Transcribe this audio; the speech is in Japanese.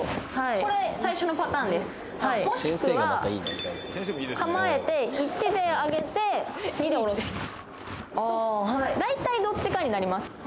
これ最初のパターンですもしくは構えて１で上げて２で下ろす大体どっちかになります